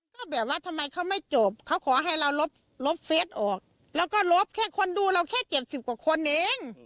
ก็แบบว่าทำไมเขาไม่จบเขาขอให้เราลบเฟสออกแล้วก็ลบแค่คนดูเราแค่๗๐กว่าคนเอง